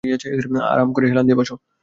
আরাম করে হেলান দিয়ে বস।